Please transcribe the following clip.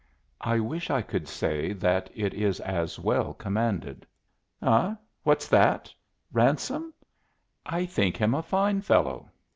I wish I could say that it is as well commanded." "Eh, what's that? Ransome? I think him a fine fellow.